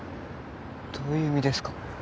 どういう意味ですか？